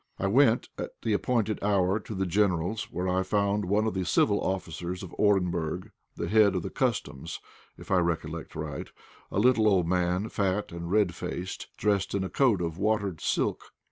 I went at the appointed hour to the General's, where I found one of the civil officials of Orenburg, the head of the Customs, if I recollect right, a little old man, fat and red faced, dressed in a coat of watered silk.